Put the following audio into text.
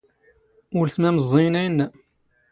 ⵓⵍⵜⵎⴰ ⵎⵥⵥⵉⵢⵏ ⴰⵢⵏⵏⴰ.